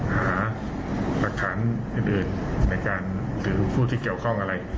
หาหลักฐานอื่นในการหรือผู้ที่เกี่ยวข้องอะไร